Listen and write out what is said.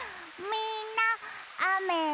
みんなあめすき？